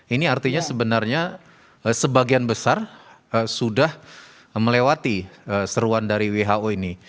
ini artinya sebenarnya sebagian besar sudah melewati seruan dari who ini